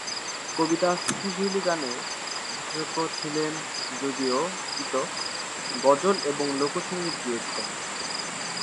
কবিতা সুফি-শৈলি গানে বিশেষজ্ঞ ছিলেন যদিও গীত, গজল এবং লোকসঙ্গীত গেয়েছেন।